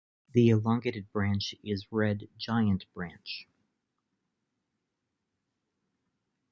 The elongated branch is Red giant branch.